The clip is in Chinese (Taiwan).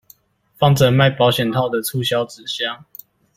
放著賣保險套的促銷紙箱